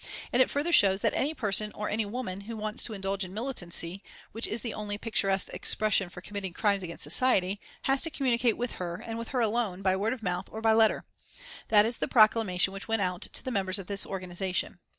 And it further shows that any person or any woman who wants to indulge in militancy, which is only a picturesque expression for committing crimes against society, has to communicate with her, and with her alone, by word of mouth or by letter. That is the Proclamation which went out to the members of this organisation.